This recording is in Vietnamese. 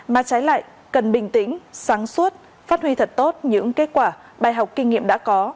mà trái lại cần bình tĩnh sáng suốt phát huy thật tốt những kết quả bài học kinh nghiệm đã có